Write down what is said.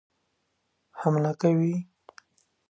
حمله کوي.